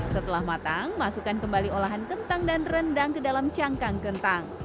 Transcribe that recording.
setelah matang masukkan kembali olahan kentang dan rendang ke dalam cangkang kentang